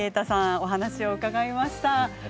お話を伺いました。